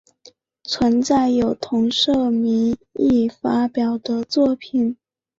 存在有同社名义发表的作品。